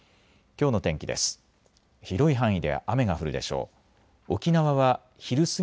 きょうの天気です。